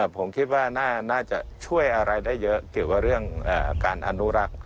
ผมคิดว่าน่าจะช่วยอะไรได้เยอะเกี่ยวกับเรื่องการอนุรักษ์